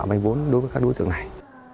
vay vốn đối với các đối tượng này